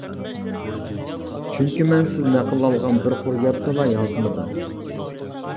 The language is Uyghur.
چۈنكى مەن سىز نەقىل ئالغان بىر قۇر گەپنىلا يازمىدىم.